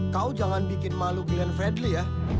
kau jangan bikin malu glenn fredly ya